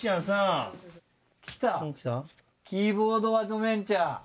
『キーボー島アドベンチャー』。